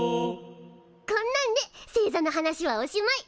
こんなんで星座の話はおしまい！